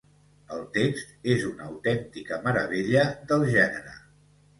El text és una autèntica meravella del gènere.